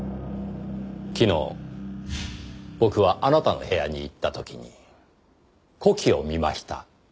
昨日僕はあなたの部屋に行った時に子機を見ました。